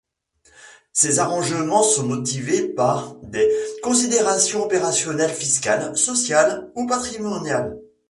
Ces arrangements sont motivés par des considérations opérationnelles, fiscales, sociales ou patrimoniales.